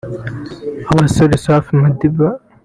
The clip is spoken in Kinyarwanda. abasore Safi Madiba